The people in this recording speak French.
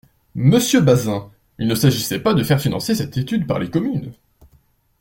Monsieur Bazin, il ne s’agissait pas de faire financer cette étude par les communes.